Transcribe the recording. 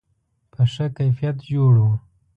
په ښه کیفیت جوړ و.